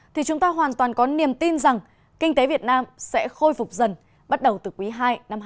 thì chúng ta hoàn toàn có niềm tin rằng kinh tế việt nam sẽ khôi phục dần bắt đầu từ quý ii năm hai nghìn hai mươi